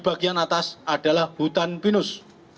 bagian atas adalah hutan pinus